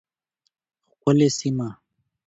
ښکلې سیمه